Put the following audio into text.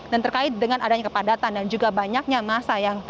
dan terkait dengan adanya kepadatan dan juga banyaknya masa yang